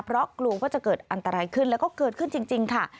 เพราะกลัวว่าจะเกิดอันตรายขึ้นแล้วก็เกิดขึ้นจริงค่ะ